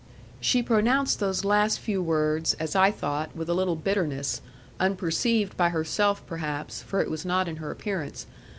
She pronounced those last few words, as I thought, with a little bitterness, unperceived by herself perhaps, for it was not in her appearance.